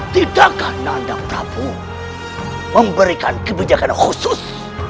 tidakkah nanda prabu memberikan kebijakan khusus